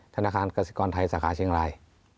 ธนาคารกสิกรไทยสาขาเชียงราย